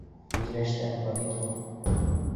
Миләштән повидло